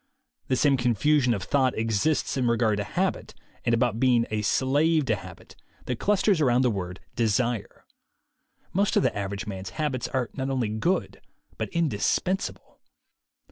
The same confusion of thought exists in re gard to habit, and about being a "slave to habit," that clusters around the word "desire." Most of the average man's habits are not only good but in dispensable.